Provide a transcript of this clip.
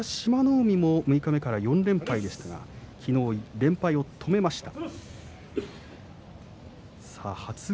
海も六日目からは４連敗でしたが昨日、連敗を止めました。